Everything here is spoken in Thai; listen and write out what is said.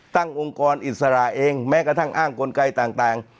องค์กรอิสระเองแม้กระทั่งอ้างกลไกต่าง